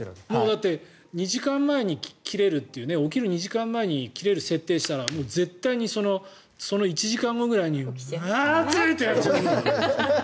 だって２時間前に切れるという起きる２時間前に設定したらもう絶対にその１時間後ぐらいに暑い！ってなっちゃう。